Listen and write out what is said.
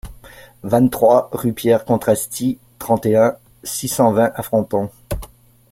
vingt-trois rue Pierre Contrasty, trente et un, six cent vingt à Fronton